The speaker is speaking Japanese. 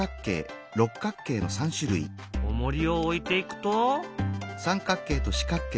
おもりを置いていくと。